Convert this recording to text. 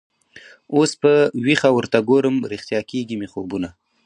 اوس په ویښه ورته ګورم ریشتیا کیږي مي خوبونه